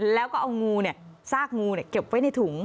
แล้วก็เอางูซากงูเก็บไว้ในถุง